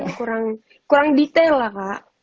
iya kan kurang detail lah kak